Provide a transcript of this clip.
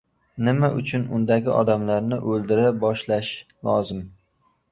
Nima uchun undagi odamlarni o‘ldira boshlash lozim?